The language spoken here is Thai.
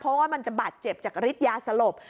เพราะว่ามันจะบาดเจ็บจากฤทธิยาสลบ